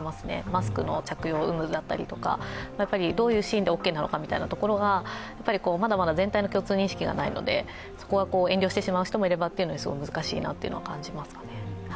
マスクの着用有無だったりとか、どういうシーンでオーケーなのかというところが、まだまだ全体の共通認識がないのでそこは遠慮してしまう人もいればというのは難しいと思いますね。